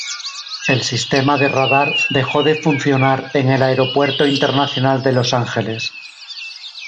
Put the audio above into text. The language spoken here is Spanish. El sistema de radar dejó de funcionar en el Aeropuerto Internacional de Los Ángeles.